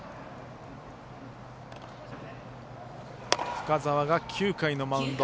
深沢が９回のマウンド。